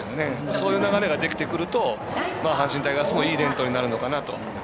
そういう流れができてくると阪神タイガースもいい伝統になるのかなと。